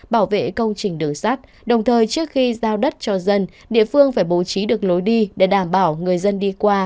bảo vệ công trình đường sát đồng thời trước khi giao đất cho dân địa phương phải bố trí được lối đi để đảm bảo người dân đi qua